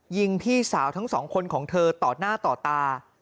ยิงพี่สาวทั้งสองคนของเธอต่อหน้าต่อตา